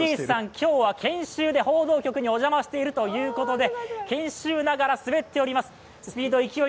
今日は研修で報道局にお邪魔しているということで研修ながら滑っています。